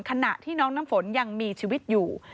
ขณะที่น้องน้ำฝนยังมีชีวิตอยู่